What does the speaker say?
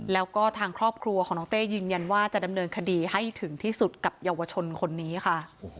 แล้วก็ทางครอบครัวของน้องเต้ยืนยันว่าจะดำเนินคดีให้ถึงที่สุดกับเยาวชนคนนี้ค่ะ